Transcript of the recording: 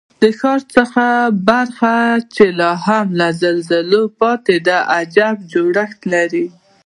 د ښار هغه برخه چې لا هم له زلزلو پاتې ده، عجیب جوړښت لري.